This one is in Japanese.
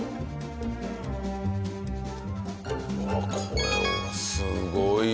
うわっこれはすごいわ。